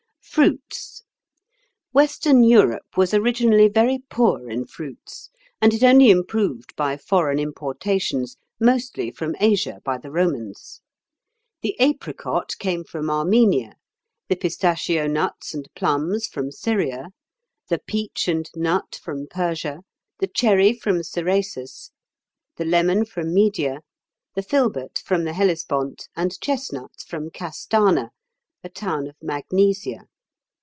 Fruits. Western Europe was originally very poor in fruits, and it only improved by foreign importations, mostly from Asia by the Romans. The apricot came from Armenia, the pistachio nuts and plums from Syria, the peach and nut from Persia, the cherry from Cerasus, the lemon from Media, the filbert from the Hellespont, and chestnuts from Castana, a town of Magnesia.